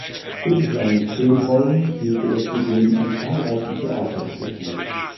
Neben seinen Filmrollen spielte er zudem in zahlreichen Theaterstücken mit.